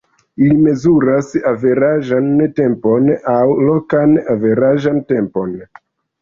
Ili mezuras averaĝan tempon aŭ "lokan averaĝan tempon".